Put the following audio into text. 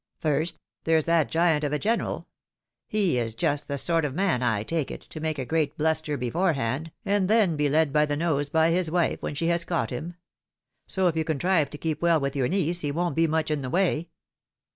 First, there's that giant of a general ; he is just the sort of man, I take it, to make a great bluster beforehand, and then be led by the nose by his wife when she has caught him ; so if you contrive to keep well with your niece, he won't be much in the way.